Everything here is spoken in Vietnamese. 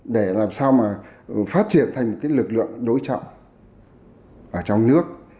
để làm sao mà phát triển thành một cái lực lượng đối trọng ở trong nước